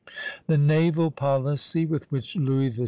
The naval policy with which Louis XVI.